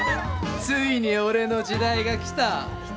ついに俺の時代が来た。